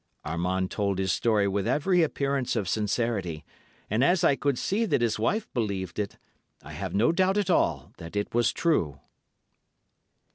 Armand told his story with every appearance of sincerity, and as I could see that his wife believed it, I have no doubt at all that it was true.